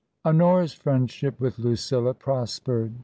Honora's friendship with Lucilla prospered.